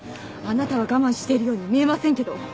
あなたは我慢しているように見えませんけど。